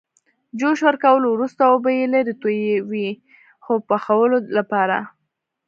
جوش ورکولو وروسته اوبه یې لرې تویوي د پخولو لپاره.